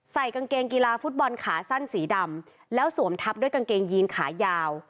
กางเกงกีฬาฟุตบอลขาสั้นสีดำแล้วสวมทับด้วยกางเกงยีนขายาว